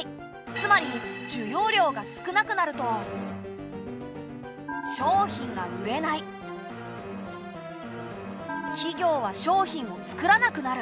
つまり需要量が少なくなると企業は商品を作らなくなる。